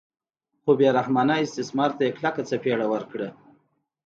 خو بې رحمانه استثمار ته یې کلکه څپېړه ورکړه.